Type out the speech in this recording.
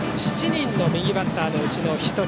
７人の右バッターのうちの１人。